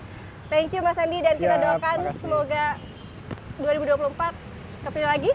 thank you mas andi dan kita doakan semoga dua ribu dua puluh empat terpilih lagi